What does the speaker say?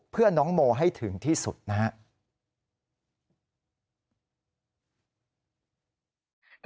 เพื่อน้องโมให้ถึงที่สุดนะครับ